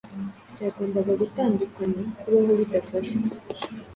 Byagombaga gutandukana kubaho bidafashwe